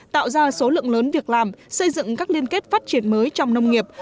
tạo ra số lượng lớn việc làm xây dựng các liên kết phát triển mới trong nông nghiệp